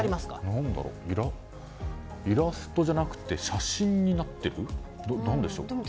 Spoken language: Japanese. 何だろうイラストじゃなくて写真になってる？